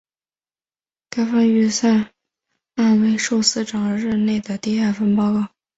该份预算案为曾司长任内的第二份报告。